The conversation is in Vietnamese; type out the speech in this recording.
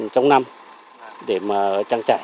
trong năm để mà trang trại